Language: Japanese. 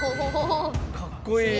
かっこいい。